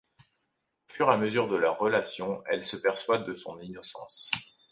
Au fur et à mesure de leur relation, elle se persuade de son innocence.